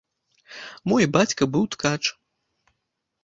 Мой бацька быў ткач.